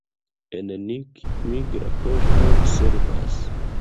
En Nick migra poŝto servas.